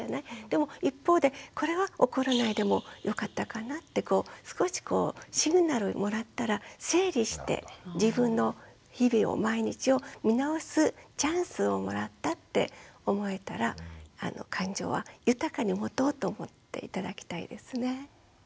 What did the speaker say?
でも一方でこれは怒らないでもよかったかなってこう少しこうシグナルもらったら整理して自分の日々を毎日を見直すチャンスをもらったって思えたら感情は豊かに持とうと思って頂きたいですね。